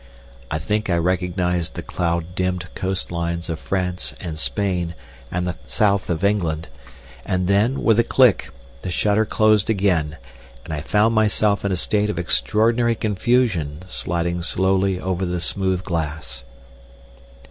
I think I recognised the cloud dimmed coast lines of France and Spain and the south of England, and then, with a click, the shutter closed again, and I found myself in a state of extraordinary confusion sliding slowly over the smooth glass.